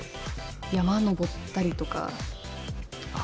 山登ったりとか。